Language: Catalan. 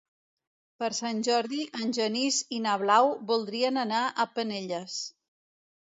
Per Sant Jordi en Genís i na Blau voldrien anar a Penelles.